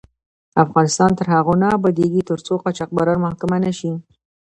افغانستان تر هغو نه ابادیږي، ترڅو قاچاقبران محاکمه نشي.